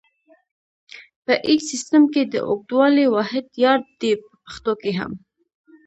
په ایچ سیسټم کې د اوږدوالي واحد یارډ دی په پښتو کې هم.